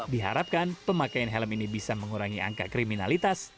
diharapkan pemakaian helm ini bisa mengurangi angka kriminalitas